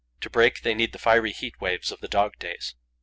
To break they need the fiery heat waves of the dog days.